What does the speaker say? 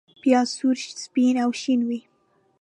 پیاز سور، سپین او شین وي